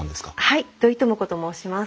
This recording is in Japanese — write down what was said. はい土井智子と申します。